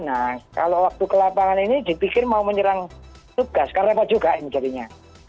nah kalau waktu ke lapangan ini dipikir mau menyerang tugas kan repot juga ini jadinya